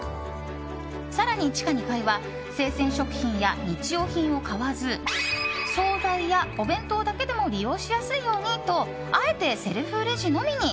更に、地下２階は生鮮食品や日用品を買わず総菜やお弁当だけでも利用しやすいようにとあえてセルフレジのみに。